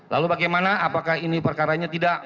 lalu bagaimana apakah ini perkaranya tidak